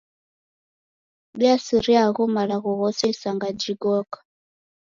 Diaisiria agho malagho ghose isanga jighoka